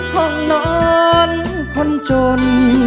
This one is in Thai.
ห้องนอนคนจน